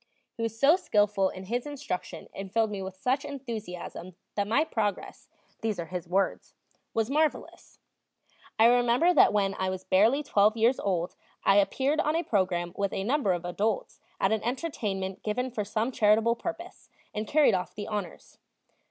He was so skillful in his instruction and filled me with such enthusiasm that my progress these are his words was marvelous. I remember that when I was barely twelve years old I appeared on a program with a number of adults at an entertainment given for some charitable purpose, and carried off the honors.